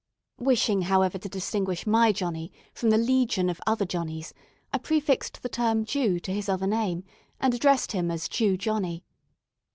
Wishing, however, to distinguish my Johnny from the legion of other Johnnies, I prefixed the term Jew to his other name, and addressed him as Jew Johnny.